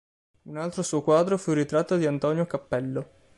Un altro suo quadro fu il ritratto di Antonio Cappello.